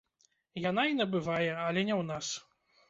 Яна і набывае, але не ў нас.